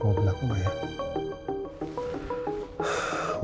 poviece terus bisa nanjang